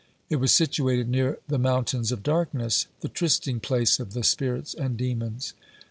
It was situated near the "mountains of darkness," (51) the trysting place of the spirits and demons.